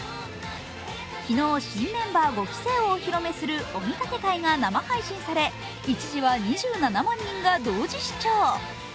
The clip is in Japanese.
昨日、新メンバー５期生を披露する「お見立て会」が生配信され、一時は２７万人が同時視聴。